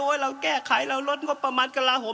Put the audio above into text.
โอ้ยเราแก้ไขเราลดก็ประมาณกระลาฮม